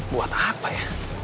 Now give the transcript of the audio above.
buat apa ya